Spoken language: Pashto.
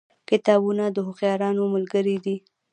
کتابونه د هوښیارانو ملګري دي.